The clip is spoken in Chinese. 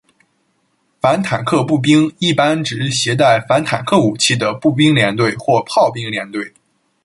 反坦克步兵一般指携带反坦克武器的步兵连队或炮兵连队。